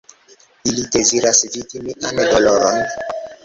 Ili deziras vidi mian doloron.